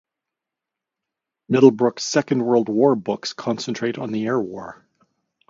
Middlebrook's Second World War books concentrate on the air war.